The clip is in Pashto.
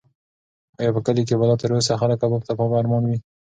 ایا په کلي کې به لا تر اوسه خلک کباب ته په ارمان وي؟